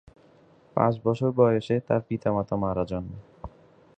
পাঁচ বছর বয়সে তার পিতা-মাতা মারা যান।